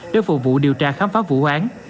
để phục vụ điều tra khám phá vụ án